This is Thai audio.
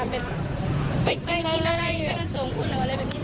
ไม่รู้ผู้หญิงว่าแฟนหรือเปล่า